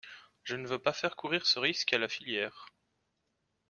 Je ne veux pas faire courir ce risque à la filière.